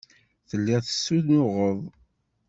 Telliḍ tessunuɣeḍ.